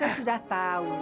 nek sudah tahu